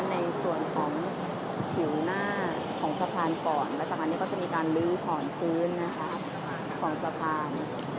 ในส่วนของผิวหน้าของสะพานก่อนแล้วจากอันนี้ก็จะมีการลื้อถอนพื้นนะคะขอนสะพาน